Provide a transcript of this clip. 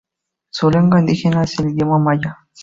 Su lengua indígena es el idioma maya.